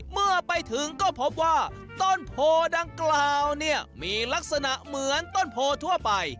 เมื่อไปถึงก็พบว่าต้นโพดังกล่าวเนี่ยมีลักษณะเหมือนต้นโพทั่วไป